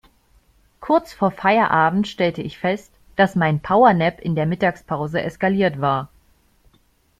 Kurz vor Feierabend stellte ich fest, dass mein Powernap in der Mittagspause eskaliert war.